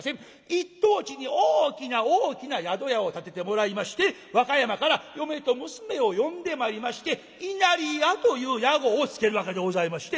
１等地に大きな大きな宿屋を建ててもらいまして和歌山から嫁と娘を呼んでまいりまして稲荷屋という屋号をつけるわけでございまして。